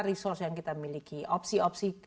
resource yang kita miliki opsi opsi